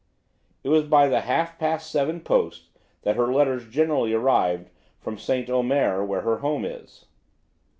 It was by the half past seven post that her letters generally arrived from St. Omer, where her home is."